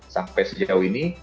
sampai sejauh ini